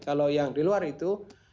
kalau yang di luar itu